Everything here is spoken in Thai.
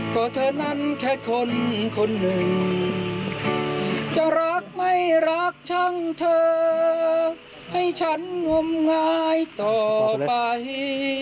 ก็เธอนั้นแค่คนคนหนึ่งจะรักไม่รักช่างเธอให้ฉันงมงายต่อไป